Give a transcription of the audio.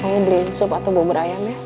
kamu beli sup atau bubur ayam ya